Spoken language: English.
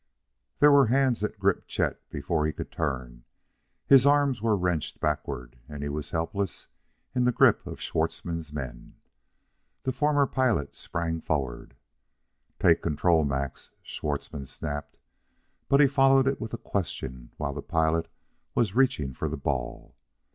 There were hands that gripped Chet before he could turn; his arms were wrenched backward; he was helpless in the grip of Schwartzmann's men. The former pilot sprang forward. "Take control, Max!" Schwartzmann snapped; but he followed it with a question while the pilot was reaching for the ball.